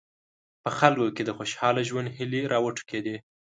په خلکو کې د خوشاله ژوند هیلې راوټوکېدې.